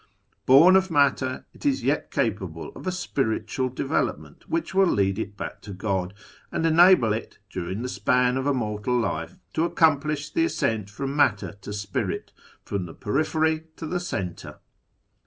Horn of matter, it is yet capalilc of a spiritual (levclopineut which will lead it back to God, and enable it, during the span of a mortal life, to accomplish the ascent from matter to spirit, from the periphery to the centre.